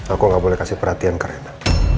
aku gak boleh kasih perhatian ke rena